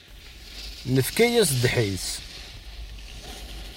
Nefka-yas ddḥis.